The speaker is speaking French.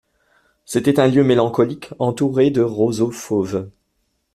C'était un lieu mélancolique entouré de roseaux fauves.